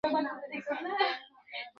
তিনি মিউনিখে আত্মহত্যা করেছিলেন ।